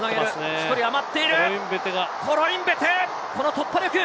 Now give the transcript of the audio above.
１人余っているコロインベテがこの突破力！